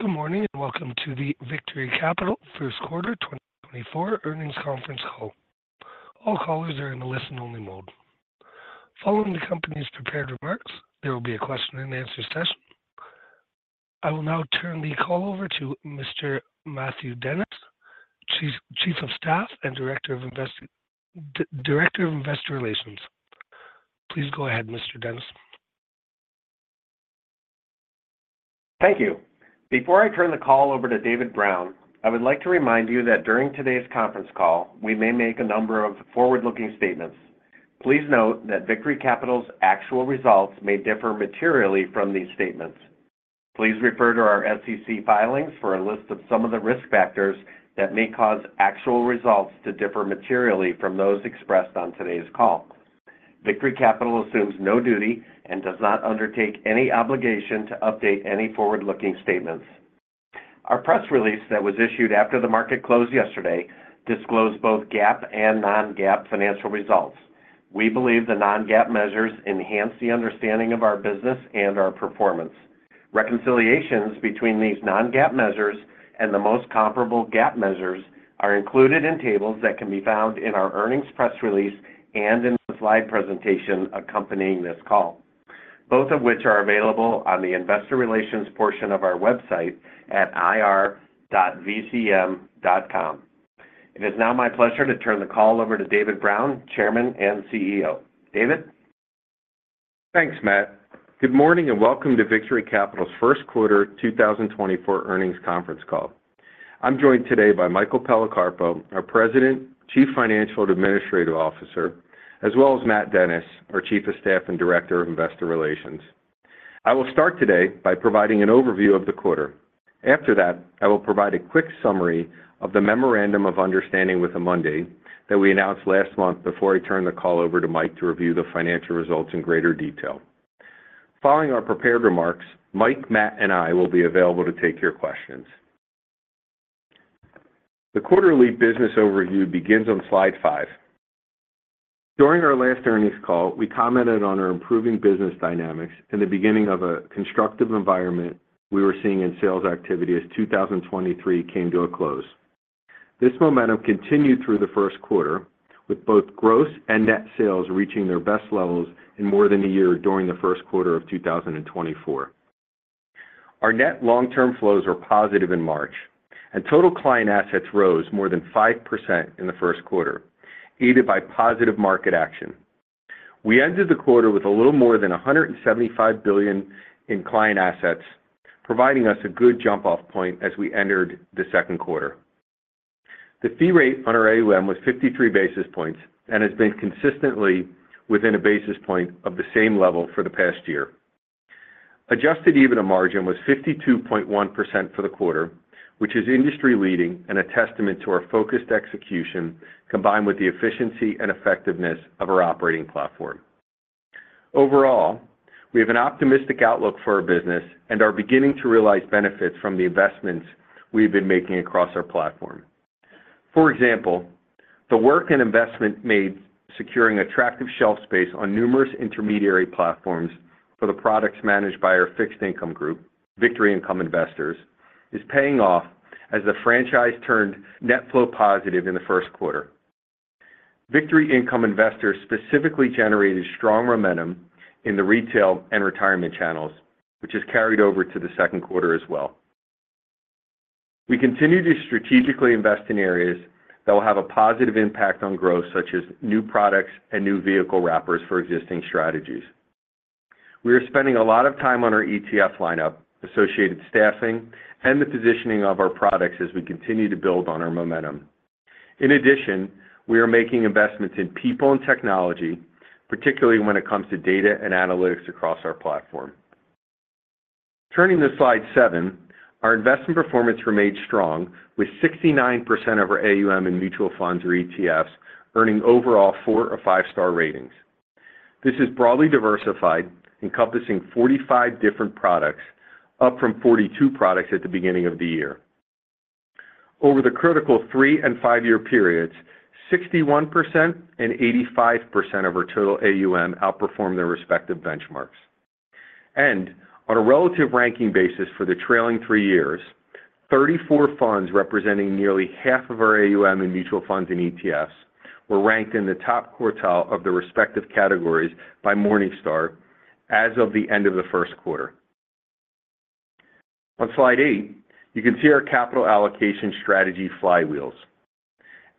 Good morning and welcome to the Victory Capital First Quarter 2024 Earnings Conference Call. All callers are in the listen-only mode. Following the company's prepared remarks, there will be a question-and-answer session. I will now turn the call over to Mr. Matthew Dennis, Chief of Staff and Director of Investor Relations. Please go ahead, Mr. Dennis. Thank you. Before I turn the call over to David Brown, I would like to remind you that during today's conference call, we may make a number of forward-looking statements. Please note that Victory Capital's actual results may differ materially from these statements. Please refer to our SEC filings for a list of some of the risk factors that may cause actual results to differ materially from those expressed on today's call. Victory Capital assumes no duty and does not undertake any obligation to update any forward-looking statements. Our press release that was issued after the market closed yesterday disclosed both GAAP and non-GAAP financial results. We believe the non-GAAP measures enhance the understanding of our business and our performance. Reconciliations between these non-GAAP measures and the most comparable GAAP measures are included in tables that can be found in our earnings press release and in the slide presentation accompanying this call, both of which are available on the Investor Relations portion of our website at ir.vcm.com. It is now my pleasure to turn the call over to David Brown, Chairman and CEO. David? Thanks, Matt. Good morning and welcome to Victory Capital's First Quarter 2024 Earnings Conference Call. I'm joined today by Michael Policarpo, our President, Chief Financial and Administrative Officer, as well as Matt Dennis, our Chief of Staff and Director of Investor Relations. I will start today by providing an overview of the quarter. After that, I will provide a quick summary of the Memorandum of Understanding with Amundi that we announced last month before I turn the call over to Mike to review the financial results in greater detail. Following our prepared remarks, Mike, Matt, and I will be available to take your questions. The quarterly business overview begins on slide five. During our last earnings call, we commented on our improving business dynamics and the beginning of a constructive environment we were seeing in sales activity as 2023 came to a close. This momentum continued through the first quarter, with both gross and net sales reaching their best levels in more than a year during the first quarter of 2024. Our net long-term flows were positive in March, and total client assets rose more than 5% in the first quarter, aided by positive market action. We ended the quarter with a little more than $175 billion in client assets, providing us a good jump-off point as we entered the second quarter. The fee rate on our AUM was 53 basis points and has been consistently within a basis point of the same level for the past year. Adjusted EBITDA margin was 52.1% for the quarter, which is industry-leading and a testament to our focused execution combined with the efficiency and effectiveness of our operating platform. Overall, we have an optimistic outlook for our business and are beginning to realize benefits from the investments we've been making across our platform. For example, the work and investment made securing attractive shelf space on numerous intermediary platforms for the products managed by our fixed income group, Victory Income Investors, is paying off as the franchise turned net flow positive in the first quarter. Victory Income Investors specifically generated strong momentum in the retail and retirement channels, which has carried over to the second quarter as well. We continue to strategically invest in areas that will have a positive impact on growth, such as new products and new vehicle wrappers for existing strategies. We are spending a lot of time on our ETF lineup, associated staffing, and the positioning of our products as we continue to build on our momentum. In addition, we are making investments in people and technology, particularly when it comes to data and analytics across our platform. Turning to slide seven, our investment performance remained strong, with 69% of our AUM in mutual funds or ETFs earning overall four- or five-star ratings. This is broadly diversified, encompassing 45 different products, up from 42 products at the beginning of the year. Over the critical three- and five-year periods, 61% and 85% of our total AUM outperformed their respective benchmarks. On a relative ranking basis for the trailing three years, 34 funds representing nearly half of our AUM in mutual funds and ETFs were ranked in the top quartile of the respective categories by Morningstar as of the end of the first quarter. On slide eight, you can see our capital allocation strategy flywheels.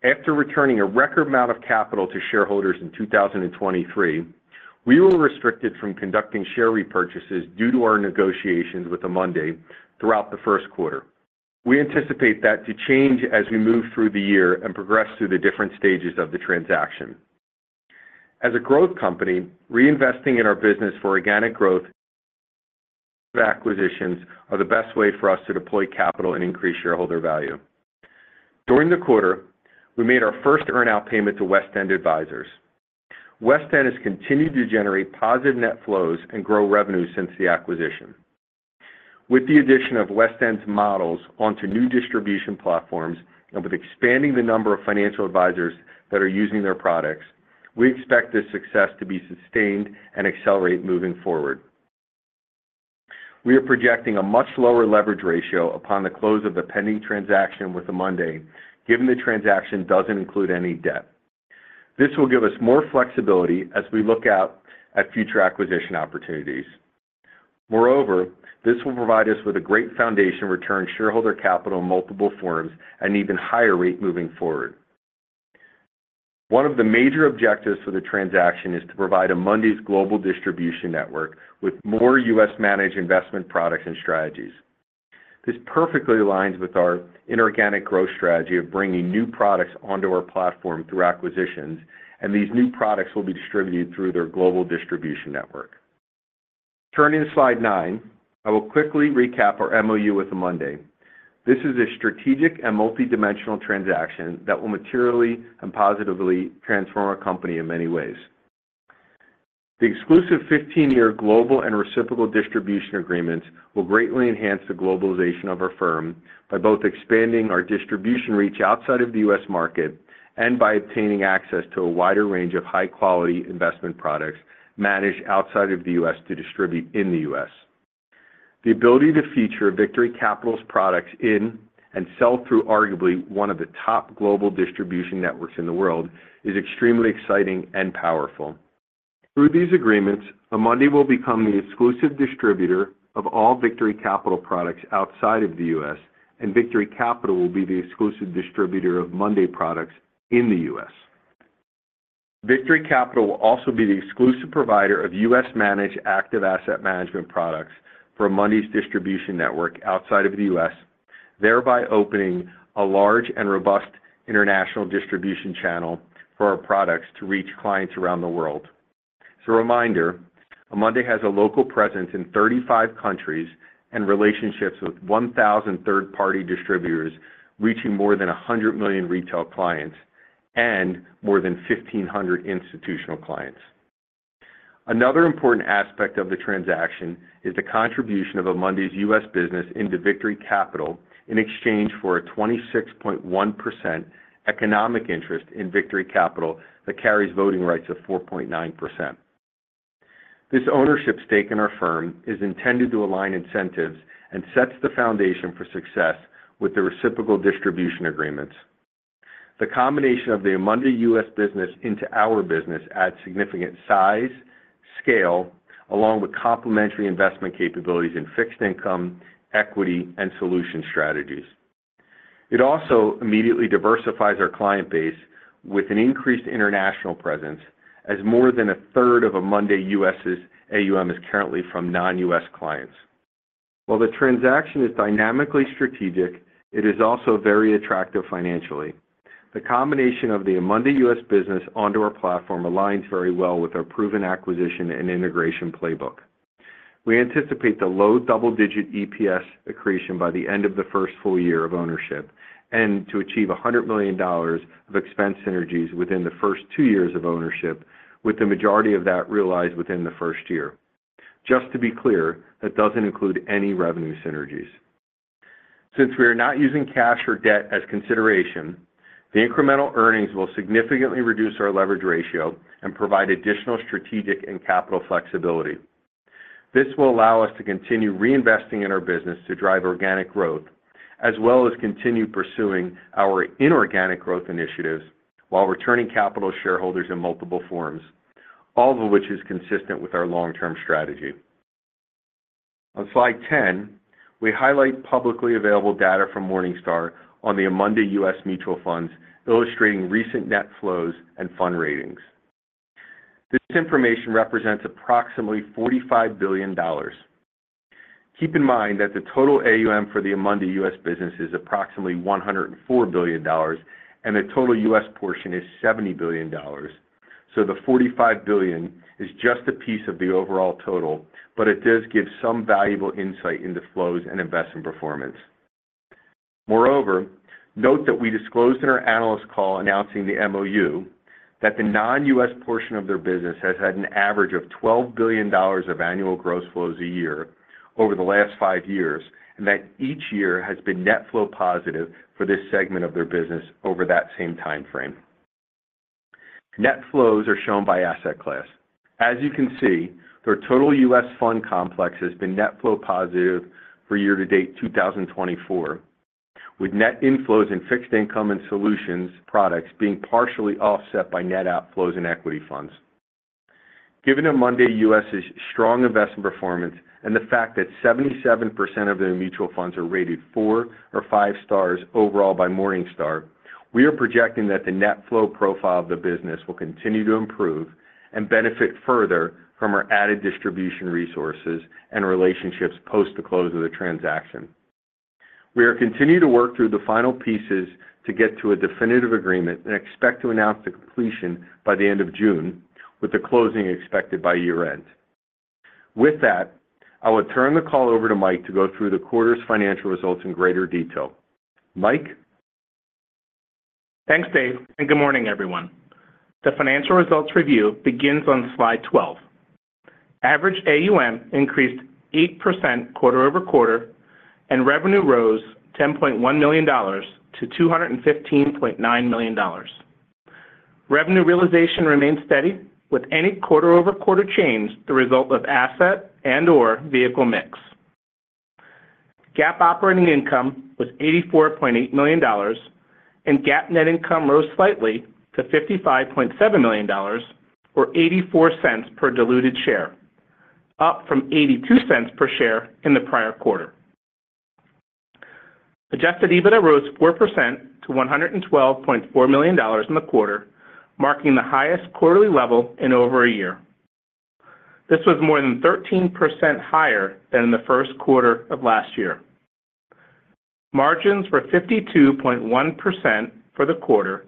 After returning a record amount of capital to shareholders in 2023, we were restricted from conducting share repurchases due to our negotiations with Amundi throughout the first quarter. We anticipate that to change as we move through the year and progress through the different stages of the transaction. As a growth company, reinvesting in our business for organic growth acquisitions are the best way for us to deploy capital and increase shareholder value. During the quarter, we made our first earnout payment to West End Advisors. West End has continued to generate positive net flows and grow revenue since the acquisition. With the addition of West End's models onto new distribution platforms and with expanding the number of financial advisors that are using their products, we expect this success to be sustained and accelerate moving forward. We are projecting a much lower leverage ratio upon the close of the pending transaction with Amundi, given the transaction doesn't include any debt. This will give us more flexibility as we look out at future acquisition opportunities. Moreover, this will provide us with a great foundation return shareholder capital in multiple forms and even higher rate moving forward. One of the major objectives for the transaction is to provide Amundi's global distribution network with more U.S.-managed investment products and strategies. This perfectly aligns with our inorganic growth strategy of bringing new products onto our platform through acquisitions, and these new products will be distributed through their global distribution network. Turning to slide nine, I will quickly recap our MOU with Amundi. This is a strategic and multidimensional transaction that will materially and positively transform our company in many ways. The exclusive 15-year global and reciprocal distribution agreements will greatly enhance the globalization of our firm by both expanding our distribution reach outside of the U.S. market and by obtaining access to a wider range of high-quality investment products managed outside of the U.S. to distribute in the U.S. The ability to feature Victory Capital's products in and sell through arguably one of the top global distribution networks in the world is extremely exciting and powerful. Through these agreements, Amundi will become the exclusive distributor of all Victory Capital products outside of the U.S., and Victory Capital will be the exclusive distributor of Amundi products in the U.S. Victory Capital will also be the exclusive provider of U.S.-managed active asset management products for Amundi's distribution network outside of the U.S., thereby opening a large and robust international distribution channel for our products to reach clients around the world. As a reminder, Amundi has a local presence in 35 countries and relationships with 1,000 third-party distributors, reaching more than 100 million retail clients and more than 1,500 institutional clients. Another important aspect of the transaction is the contribution of Amundi's US business into Victory Capital in exchange for a 26.1% economic interest in Victory Capital that carries voting rights of 4.9%. This ownership stake in our firm is intended to align incentives and sets the foundation for success with the reciprocal distribution agreements. The combination of the Amundi US business into our business adds significant size, scale, along with complementary investment capabilities in fixed income, equity, and solution strategies. It also immediately diversifies our client base with an increased international presence, as more than a third of Amundi US's AUM is currently from non-U.S. clients. While the transaction is dynamically strategic, it is also very attractive financially. The combination of the Amundi US business onto our platform aligns very well with our proven acquisition and integration playbook. We anticipate the low double-digit EPS accretion by the end of the first full year of ownership and to achieve $100 million of expense synergies within the first two years of ownership, with the majority of that realized within the first year. Just to be clear, that doesn't include any revenue synergies. Since we are not using cash or debt as consideration, the incremental earnings will significantly reduce our leverage ratio and provide additional strategic and capital flexibility. This will allow us to continue reinvesting in our business to drive organic growth, as well as continue pursuing our inorganic growth initiatives while returning capital to shareholders in multiple forms, all of which is consistent with our long-term strategy. On slide 10, we highlight publicly available data from Morningstar on the Amundi US mutual funds, illustrating recent net flows and fund ratings. This information represents approximately $45 billion. Keep in mind that the total AUM for the Amundi US business is approximately $104 billion, and the total U.S. portion is $70 billion. So the $45 billion is just a piece of the overall total, but it does give some valuable insight into flows and investment performance. Moreover, note that we disclosed in our analyst call announcing the MOU that the non-US portion of their business has had an average of $12 billion of annual gross flows a year over the last five years, and that each year has been net flow positive for this segment of their business over that same time frame. Net flows are shown by asset class. As you can see, their total US fund complex has been net flow positive for year-to-date 2024, with net inflows in fixed income and solutions products being partially offset by net outflows in equity funds. Given Amundi US's strong investment performance and the fact that 77% of their mutual funds are rated four or five stars overall by Morningstar, we are projecting that the net flow profile of the business will continue to improve and benefit further from our added distribution resources and relationships post the close of the transaction. We are continuing to work through the final pieces to get to a definitive agreement and expect to announce the completion by the end of June, with the closing expected by year-end. With that, I will turn the call over to Mike to go through the quarter's financial results in greater detail. Mike? Thanks, Dave, and good morning, everyone. The financial results review begins on slide 12. Average AUM increased 8% quarter-over-quarter, and revenue rose $10.1 million to $215.9 million. Revenue realization remained steady, with any quarter-over-quarter change the result of asset and/or vehicle mix. GAAP operating income was $84.8 million, and GAAP net income rose slightly to $55.7 million or $0.84 per diluted share, up from $0.82 per share in the prior quarter. Adjusted EBITDA rose 4% to $112.4 million in the quarter, marking the highest quarterly level in over a year. This was more than 13% higher than in the first quarter of last year. Margins were 52.1% for the quarter,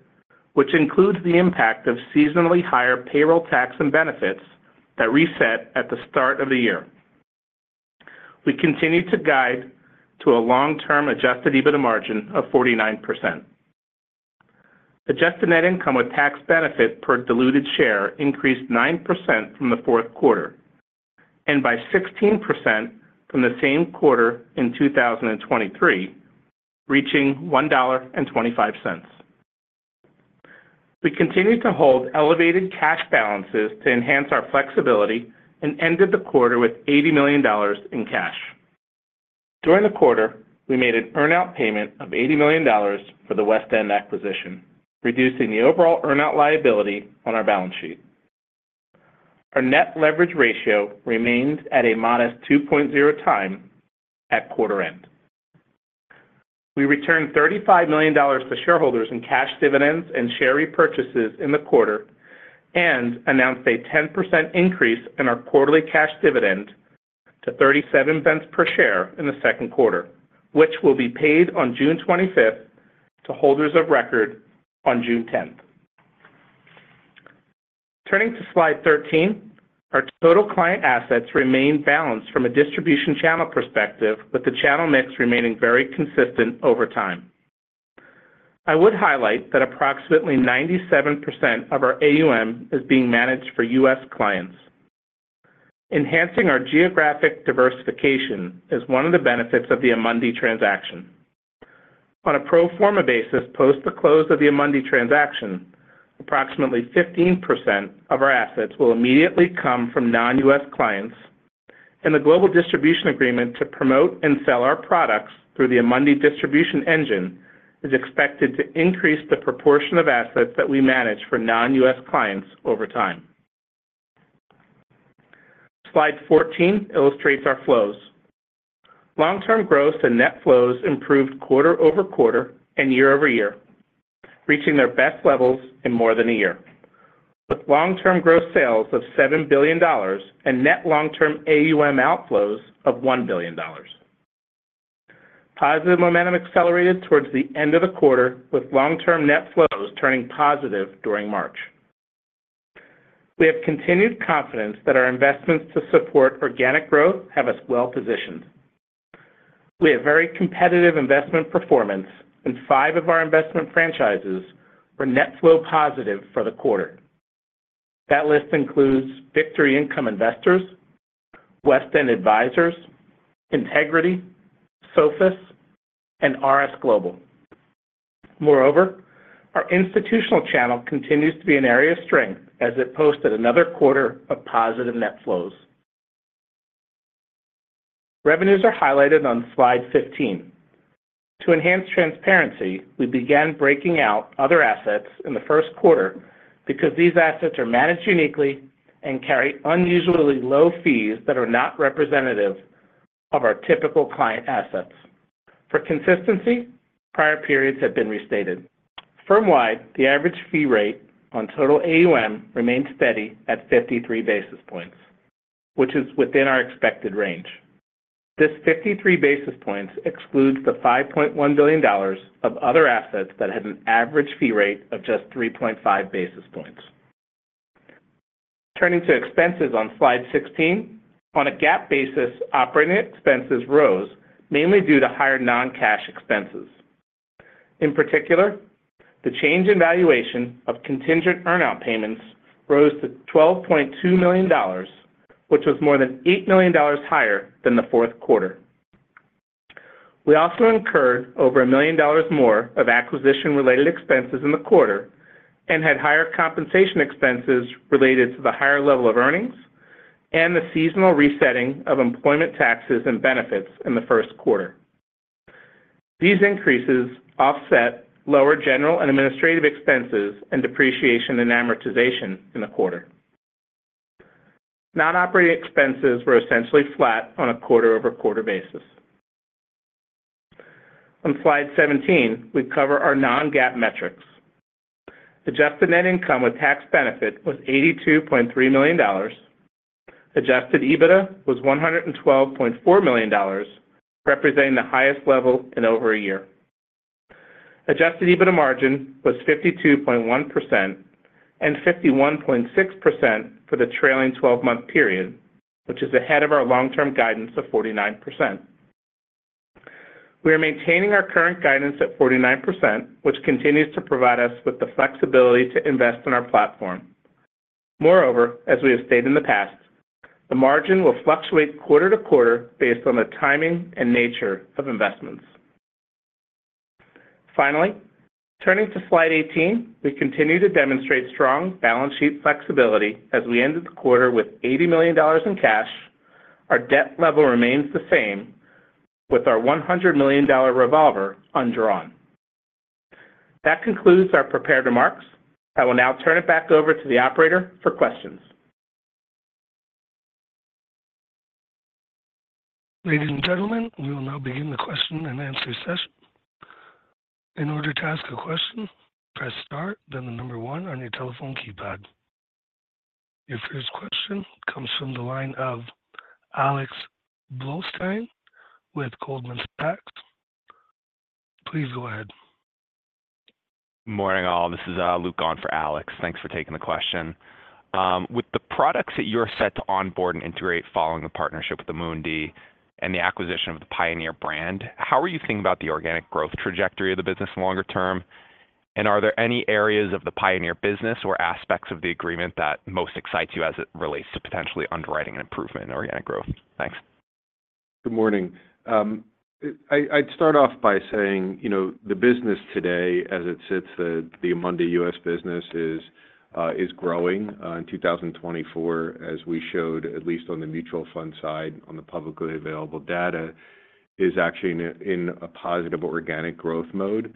which includes the impact of seasonally higher payroll tax and benefits that reset at the start of the year. We continue to guide to a long-term adjusted EBITDA margin of 49%. Adjusted net income with tax benefit per diluted share increased 9% from the fourth quarter and by 16% from the same quarter in 2023, reaching $1.25. We continue to hold elevated cash balances to enhance our flexibility and ended the quarter with $80 million in cash. During the quarter, we made an earnout payment of $80 million for the West End acquisition, reducing the overall earnout liability on our balance sheet. Our net leverage ratio remained at a modest 2.0x at quarter-end. We returned $35 million to shareholders in cash dividends and share repurchases in the quarter and announced a 10% increase in our quarterly cash dividend to $0.37 per share in the second quarter, which will be paid on June 25th to holders of record on June 10th. Turning to slide 13, our total client assets remain balanced from a distribution channel perspective, with the channel mix remaining very consistent over time. I would highlight that approximately 97% of our AUM is being managed for U.S. clients. Enhancing our geographic diversification is one of the benefits of the Amundi transaction. On a pro forma basis, post the close of the Amundi transaction, approximately 15% of our assets will immediately come from non-U.S. clients, and the global distribution agreement to promote and sell our products through the Amundi distribution engine is expected to increase the proportion of assets that we manage for non-U.S. clients over time. Slide 14 illustrates our flows. Long-term growth and net flows improved quarter-over-quarter and year-over-year, reaching their best levels in more than a year, with long-term gross sales of $7 billion and net long-term AUM outflows of $1 billion. Positive momentum accelerated towards the end of the quarter, with long-term net flows turning positive during March. We have continued confidence that our investments to support organic growth have us well-positioned. We have very competitive investment performance, and five of our investment franchises were net flow positive for the quarter. That list includes Victory Income Investors, West End Advisors, Integrity, Sophus, and RS Global. Moreover, our institutional channel continues to be an area of strength as it posted another quarter of positive net flows. Revenues are highlighted on slide 15. To enhance transparency, we began breaking out other assets in the first quarter because these assets are managed uniquely and carry unusually low fees that are not representative of our typical client assets. For consistency, prior periods have been restated. Firmwide, the average fee rate on total AUM remained steady at 53 basis points, which is within our expected range. This 53 basis points excludes the $5.1 billion of other assets that had an average fee rate of just 3.5 basis points. Turning to expenses on slide 16, on a GAAP basis, operating expenses rose, mainly due to higher non-cash expenses. In particular, the change in valuation of contingent earnout payments rose to $12.2 million, which was more than $8 million higher than the fourth quarter. We also incurred over $1 million more of acquisition-related expenses in the quarter and had higher compensation expenses related to the higher level of earnings and the seasonal resetting of employment taxes and benefits in the first quarter. These increases offset lower general and administrative expenses and depreciation and amortization in the quarter. Non-operating expenses were essentially flat on a quarter-over-quarter basis. On slide 17, we cover our non-GAAP metrics. Adjusted net income with tax benefit was $82.3 million. Adjusted EBITDA was $112.4 million, representing the highest level in over a year. Adjusted EBITDA margin was 52.1% and 51.6% for the trailing 12-month period, which is ahead of our long-term guidance of 49%. We are maintaining our current guidance at 49%, which continues to provide us with the flexibility to invest in our platform. Moreover, as we have stated in the past, the margin will fluctuate quarter to quarter based on the timing and nature of investments. Finally, turning to slide 18, we continue to demonstrate strong balance sheet flexibility as we ended the quarter with $80 million in cash. Our debt level remains the same, with our $100 million revolver undrawn. That concludes our prepared remarks. I will now turn it back over to the operator for questions. Ladies and gentlemen, we will now begin the question and answer session. In order to ask a question, press star, then the number one on your telephone keypad. Your first question comes from the line of Alexander Blostein with Goldman Sachs. Please go ahead. Morning all. This is Luke Walsh for Alex. Thanks for taking the question. With the products that you're set to onboard and integrate following the partnership with Amundi and the acquisition of the Pioneer brand, how are you thinking about the organic growth trajectory of the business longer term? And are there any areas of the Pioneer business or aspects of the agreement that most excites you as it relates to potentially underwriting and improvement in organic growth? Thanks. Good morning. I'd start off by saying the business today, as it sits, the Amundi US business is growing. In 2024, as we showed, at least on the mutual fund side, on the publicly available data, is actually in a positive organic growth mode.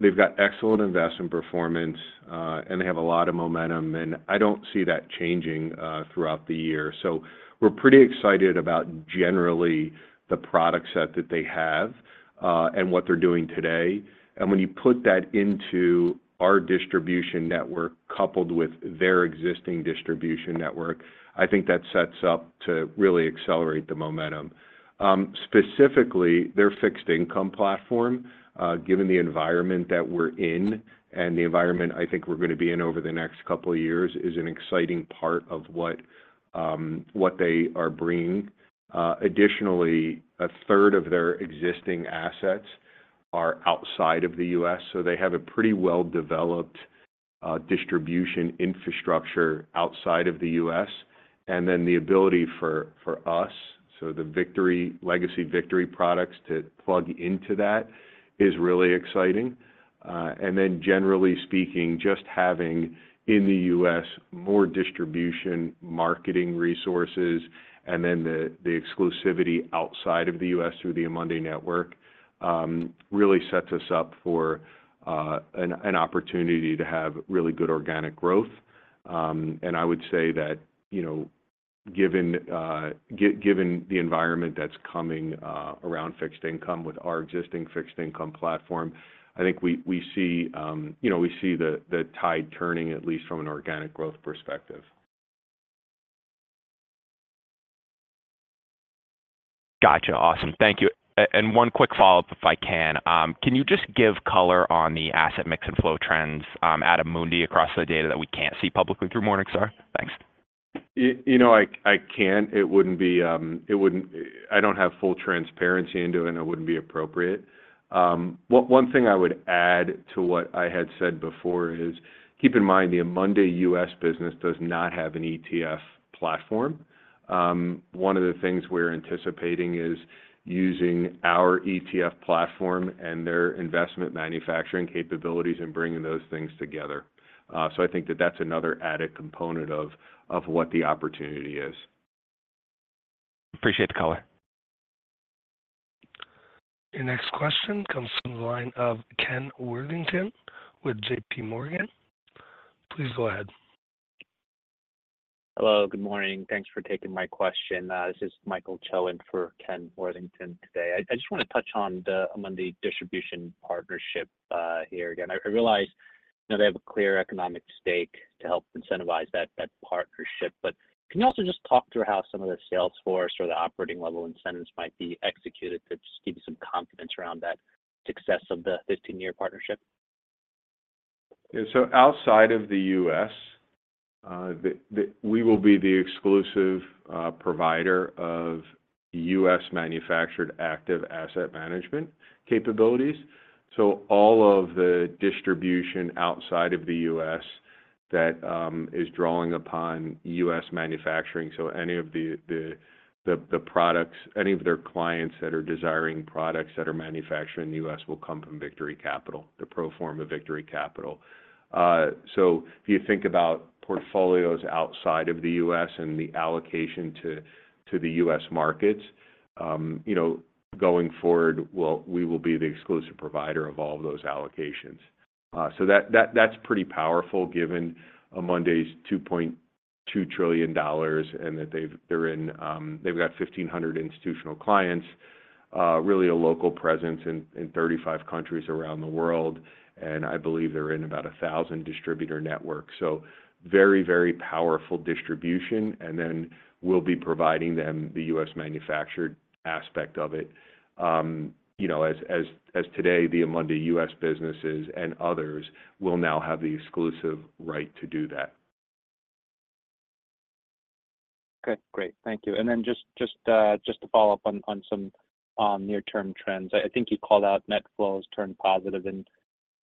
They've got excellent investment performance, and they have a lot of momentum. And I don't see that changing throughout the year. So we're pretty excited about, generally, the product set that they have and what they're doing today. And when you put that into our distribution network coupled with their existing distribution network, I think that sets up to really accelerate the momentum. Specifically, their fixed income platform, given the environment that we're in and the environment I think we're going to be in over the next couple of years, is an exciting part of what they are bringing. Additionally, a third of their existing assets are outside of the U.S. So they have a pretty well-developed distribution infrastructure outside of the U.S. And then the ability for us, so the legacy Victory products, to plug into that is really exciting. And then, generally speaking, just having in the U.S. more distribution marketing resources and then the exclusivity outside of the U.S. through the Amundi network really sets us up for an opportunity to have really good organic growth. And I would say that given the environment that's coming around fixed income with our existing fixed income platform, I think we see the tide turning, at least from an organic growth perspective. Gotcha. Awesome. Thank you. And one quick follow-up, if I can. Can you just give color on the asset mix and flow trends at Amundi across the data that we can't see publicly through Morningstar? Thanks. I can't. It wouldn't be. I don't have full transparency into it, and it wouldn't be appropriate. One thing I would add to what I had said before is keep in mind the Amundi US business does not have an ETF platform. One of the things we're anticipating is using our ETF platform and their investment manufacturing capabilities and bringing those things together. So I think that that's another added component of what the opportunity is. Appreciate the color. Your next question comes from the line of Ken Worthington with JPMorgan. Please go ahead. Hello. Good morning. Thanks for taking my question. This is Michael Cho for Ken Worthington today. I just want to touch on the Amundi distribution partnership here again. I realize they have a clear economic stake to help incentivize that partnership. But can you also just talk through how some of the sales force or the operating-level incentives might be executed to just give you some confidence around that success of the 15-year partnership? Yeah. So outside of the U.S., we will be the exclusive provider of U.S.-manufactured active asset management capabilities. So all of the distribution outside of the U.S. that is drawing upon U.S. manufacturing so any of the products, any of their clients that are desiring products that are manufactured in the U.S. will come from Victory Capital, the pro forma Victory Capital. So if you think about portfolios outside of the U.S. and the allocation to the U.S. markets, going forward, we will be the exclusive provider of all of those allocations. So that's pretty powerful given Amundi's $2.2 trillion and that they've got 1,500 institutional clients, really a local presence in 35 countries around the world. And I believe they're in about 1,000 distributor networks. So very, very powerful distribution. And then we'll be providing them the U.S.-manufactured aspect of it. As of today, the Amundi US businesses and others will now have the exclusive right to do that. Okay. Great. Thank you. And then just to follow up on some near-term trends, I think you called out net flows turned positive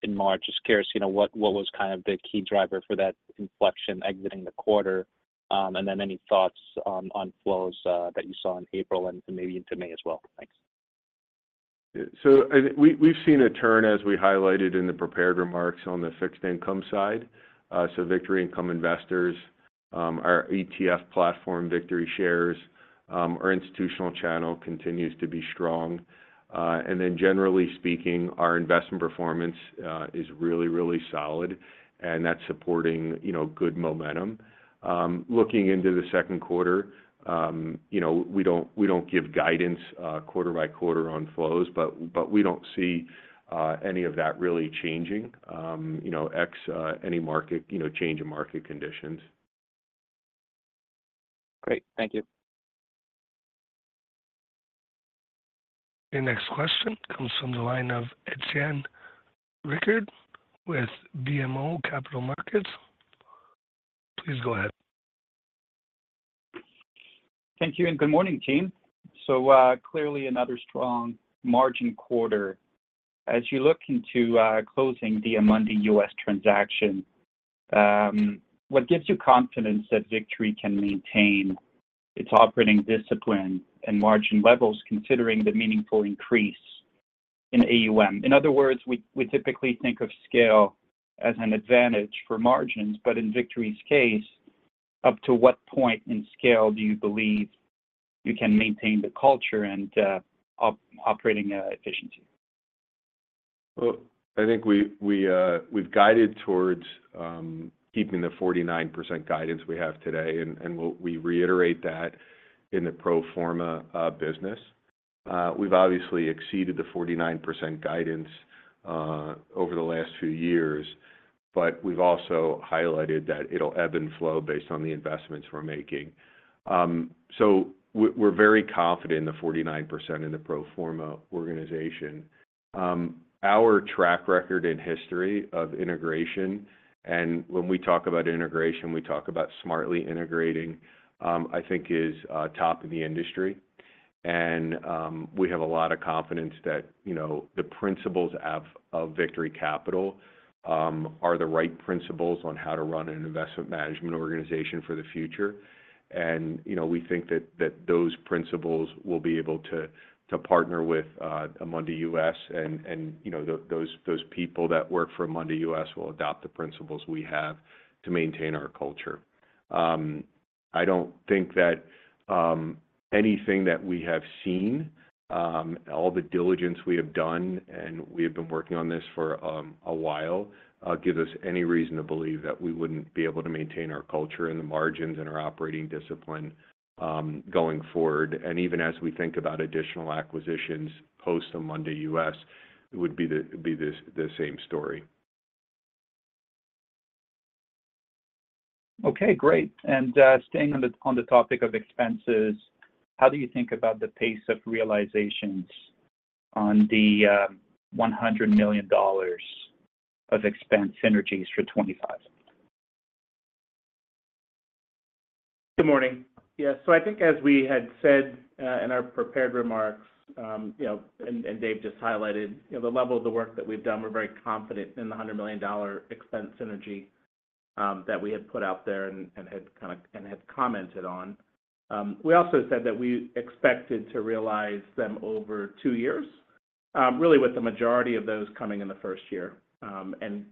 in March. Just curious what was kind of the key driver for that inflection exiting the quarter and then any thoughts on flows that you saw in April and maybe into May as well? Thanks. Yeah. So we've seen a turn, as we highlighted in the prepared remarks, on the fixed income side. So Victory Income Investors, our ETF platform, VictoryShares, our institutional channel continues to be strong. And then, generally speaking, our investment performance is really, really solid, and that's supporting good momentum. Looking into the second quarter, we don't give guidance quarter by quarter on flows, but we don't see any of that really changing ex any change in market conditions. Great. Thank you. Your next question comes from the line of Étienne Ricard with BMO Capital Markets. Please go ahead. Thank you. Good morning, team. Clearly, another strong margin quarter. As you look into closing the Amundi US transaction, what gives you confidence that Victory can maintain its operating discipline and margin levels considering the meaningful increase in AUM? In other words, we typically think of scale as an advantage for margins. In Victory's case, up to what point in scale do you believe you can maintain the culture and operating efficiency? Well, I think we've guided towards keeping the 49% guidance we have today, and we reiterate that in the pro forma business. We've obviously exceeded the 49% guidance over the last few years, but we've also highlighted that it'll ebb and flow based on the investments we're making. We're very confident in the 49% in the pro forma organization. Our track record and history of integration—and when we talk about integration, we talk about smartly integrating—I think is top in the industry. We have a lot of confidence that the principles of Victory Capital are the right principles on how to run an investment management organization for the future. We think that those principles will be able to partner with Amundi US, and those people that work for Amundi US will adopt the principles we have to maintain our culture. I don't think that anything that we have seen, all the diligence we have done - and we have been working on this for a while - gives us any reason to believe that we wouldn't be able to maintain our culture and the margins and our operating discipline going forward. Even as we think about additional acquisitions post Amundi US, it would be the same story. Okay. Great. Staying on the topic of expenses, how do you think about the pace of realizations on the $100 million of expense synergies for 2025? Good morning. Yeah. So I think, as we had said in our prepared remarks and Dave just highlighted, the level of the work that we've done, we're very confident in the $100 million expense synergy that we had put out there and had commented on. We also said that we expected to realize them over two years, really with the majority of those coming in the first year. And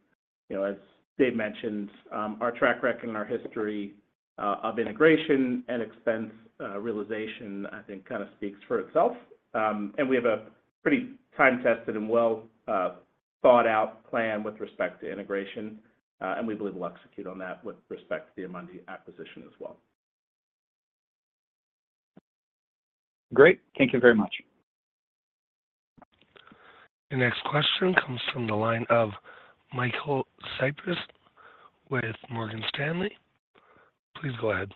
as Dave mentioned, our track record and our history of integration and expense realization, I think, kind of speaks for itself. And we have a pretty time-tested and well-thought-out plan with respect to integration, and we believe we'll execute on that with respect to the Amundi acquisition as well. Great. Thank you very much. Your next question comes from the line of Michael Cyprys with Morgan Stanley. Please go ahead.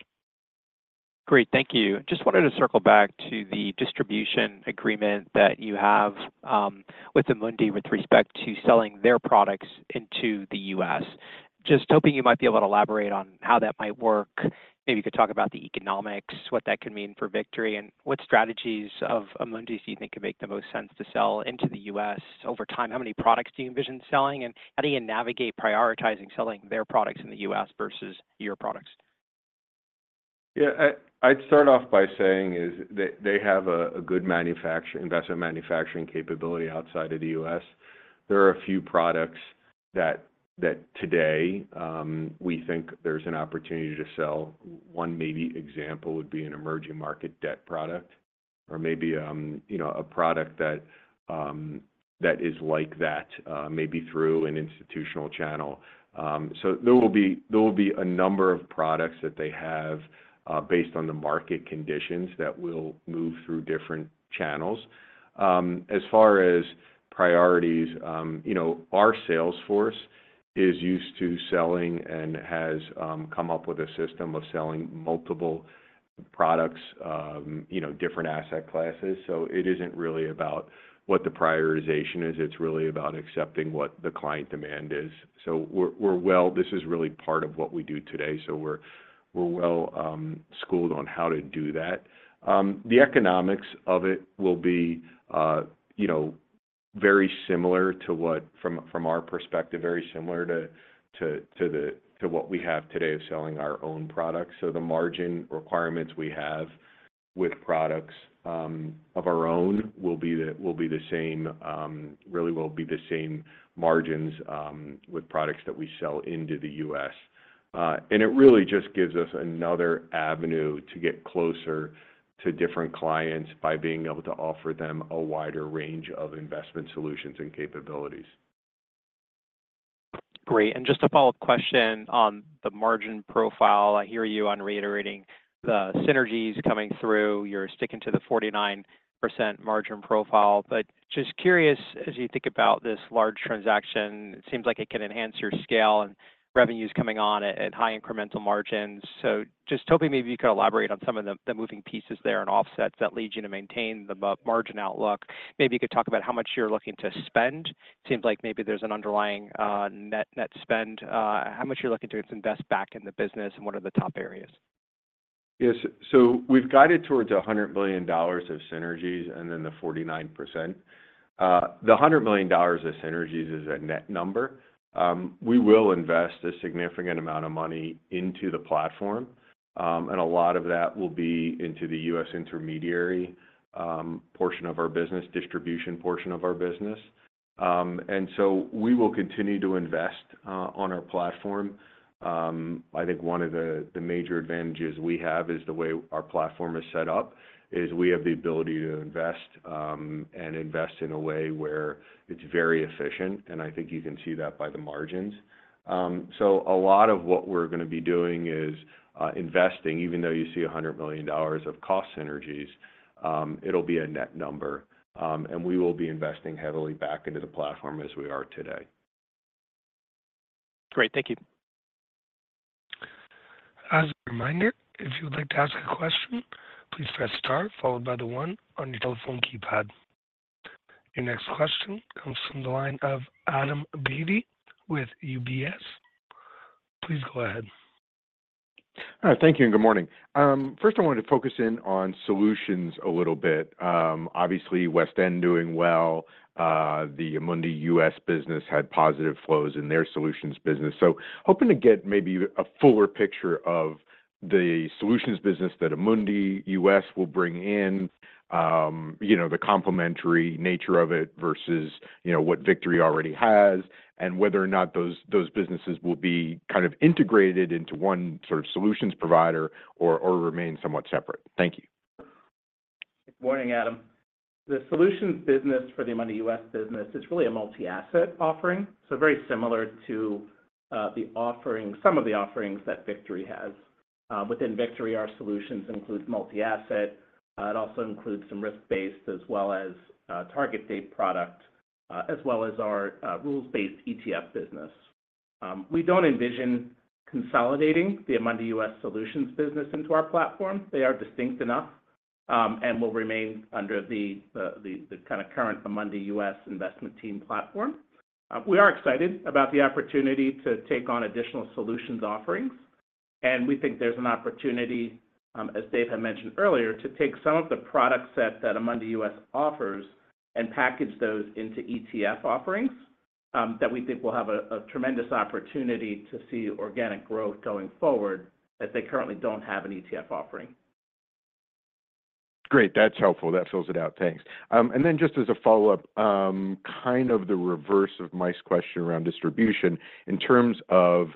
Great. Thank you. Just wanted to circle back to the distribution agreement that you have with Amundi with respect to selling their products into the U.S. Just hoping you might be able to elaborate on how that might work. Maybe you could talk about the economics, what that could mean for Victory, and what strategies of Amundi do you think could make the most sense to sell into the U.S. over time? How many products do you envision selling, and how do you navigate prioritizing selling their products in the U.S. versus your products? Yeah. I'd start off by saying they have a good investment manufacturing capability outside of the US. There are a few products that today we think there's an opportunity to sell. One maybe example would be an emerging market debt product or maybe a product that is like that, maybe through an institutional channel. So there will be a number of products that they have based on the market conditions that will move through different channels. As far as priorities, our sales force is used to selling and has come up with a system of selling multiple products, different asset classes. So it isn't really about what the prioritization is. It's really about accepting what the client demand is. So this is really part of what we do today. So we're well-schooled on how to do that. The economics of it will be very similar to what, from our perspective, very similar to what we have today of selling our own products. So the margin requirements we have with products of our own will be the same really, will be the same margins with products that we sell into the U.S. And it really just gives us another avenue to get closer to different clients by being able to offer them a wider range of investment solutions and capabilities. Great. And just a follow-up question on the margin profile. I hear you on reiterating the synergies coming through. You're sticking to the 49% margin profile. But just curious, as you think about this large transaction, it seems like it can enhance your scale and revenues coming on at high incremental margins. So just hoping maybe you could elaborate on some of the moving pieces there and offsets that lead you to maintain the margin outlook. Maybe you could talk about how much you're looking to spend. It seems like maybe there's an underlying net spend. How much you're looking to invest back in the business and what are the top areas? Yes. So we've guided towards $100 million of synergies and then the 49%. The $100 million of synergies is a net number. We will invest a significant amount of money into the platform, and a lot of that will be into the U.S. intermediary portion of our business, distribution portion of our business. And so we will continue to invest on our platform. I think one of the major advantages we have is the way our platform is set up is we have the ability to invest and invest in a way where it's very efficient. And I think you can see that by the margins. So a lot of what we're going to be doing is investing. Even though you see $100 million of cost synergies, it'll be a net number. And we will be investing heavily back into the platform as we are today. Great. Thank you. As a reminder, if you would like to ask a question, please press start followed by the 1 on your telephone keypad. Your next question comes from the line of Adam Beatty with UBS. Please go ahead. All right. Thank you and good morning. First, I wanted to focus in on solutions a little bit. Obviously, West End doing well. The Amundi US business had positive flows in their solutions business. So hoping to get maybe a fuller picture of the solutions business that Amundi US will bring in, the complementary nature of it versus what Victory already has, and whether or not those businesses will be kind of integrated into one sort of solutions provider or remain somewhat separate. Thank you. Good morning, Adam. The solutions business for the Amundi US business, it's really a multi-asset offering. So very similar to some of the offerings that Victory has. Within Victory, our solutions include multi-asset. It also includes some risk-based as well as target-date product as well as our rules-based ETF business. We don't envision consolidating the Amundi US solutions business into our platform. They are distinct enough and will remain under the kind of current Amundi US investment team platform. We are excited about the opportunity to take on additional solutions offerings. And we think there's an opportunity, as Dave had mentioned earlier, to take some of the product set that Amundi US offers and package those into ETF offerings that we think will have a tremendous opportunity to see organic growth going forward as they currently don't have an ETF offering. Great. That's helpful. That fills it out. Thanks. And then just as a follow-up, kind of the reverse of Mike's question around distribution in terms of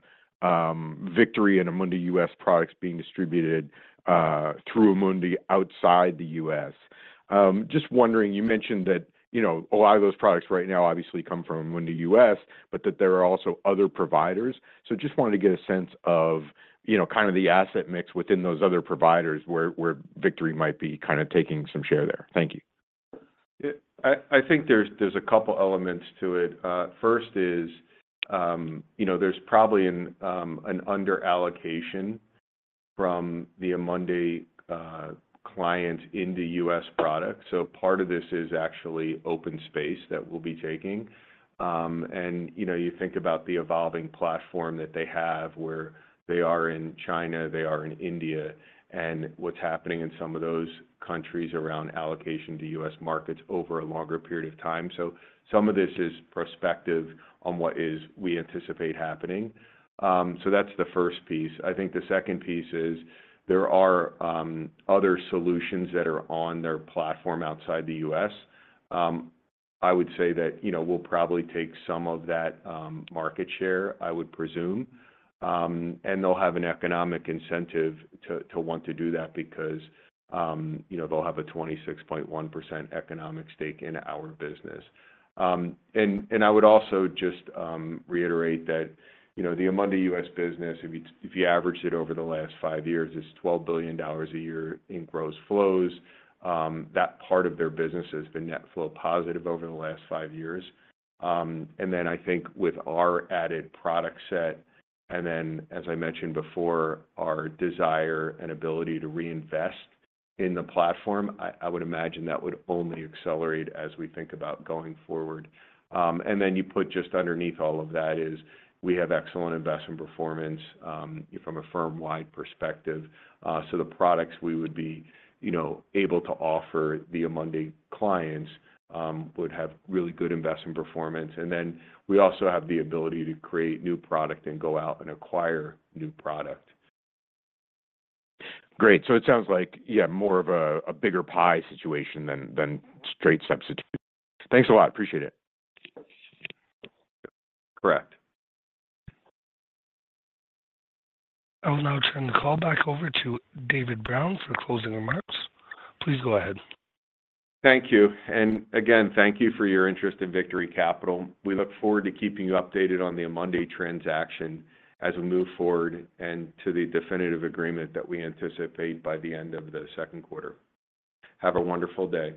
Victory and Amundi US products being distributed through Amundi outside the U.S. Just wondering, you mentioned that a lot of those products right now obviously come from Amundi US, but that there are also other providers. So just wanted to get a sense of kind of the asset mix within those other providers where Victory might be kind of taking some share there. Thank you. Yeah. I think there's a couple of elements to it. First is there's probably an underallocation from the Amundi clients into U.S. products. So part of this is actually open space that we'll be taking. And you think about the evolving platform that they have where they are in China, they are in India, and what's happening in some of those countries around allocation to U.S. markets over a longer period of time. So some of this is prospective on what we anticipate happening. So that's the first piece. I think the second piece is there are other solutions that are on their platform outside the U.S.. I would say that we'll probably take some of that market share, I would presume. And they'll have an economic incentive to want to do that because they'll have a 26.1% economic stake in our business. And I would also just reiterate that the Amundi US business, if you average it over the last five years, it's $12 billion a year in gross flows. That part of their business has been net flow positive over the last five years. And then I think with our added product set and then, as I mentioned before, our desire and ability to reinvest in the platform, I would imagine that would only accelerate as we think about going forward. And then you put just underneath all of that is we have excellent investment performance from a firm-wide perspective. So the products we would be able to offer the Amundi clients would have really good investment performance. And then we also have the ability to create new product and go out and acquire new product. Great. So it sounds like, yeah, more of a bigger pie situation than straight substitution. Thanks a lot. Appreciate it. Correct. I will now turn the call back over to David Brown for closing remarks. Please go ahead. Thank you. And again, thank you for your interest in Victory Capital. We look forward to keeping you updated on the Amundi transaction as we move forward and to the definitive agreement that we anticipate by the end of the second quarter. Have a wonderful day.